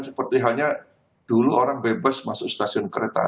seperti halnya dulu orang bebas masuk stasiun kereta